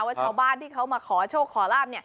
ว่าชาวบ้านที่เขามาขอโชคขอลาบ